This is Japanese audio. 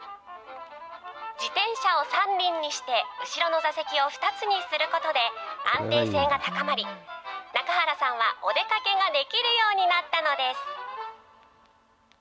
自転車を３輪にして、後ろの座席を２つにすることで安定性が高まり、中原さんはお出かけができるようになったのです。